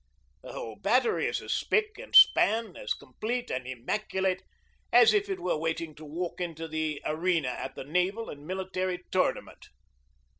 The whole battery is as spick and span, as complete and immaculate, as if it were waiting to walk into the arena at the Naval and Military Tournament.